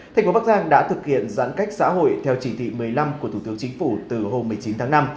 thành phố bắc giang đã thực hiện giãn cách xã hội theo chỉ thị một mươi năm của thủ tướng chính phủ từ hôm một mươi chín tháng năm